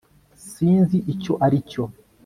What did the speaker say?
sinzi icyo ari cyo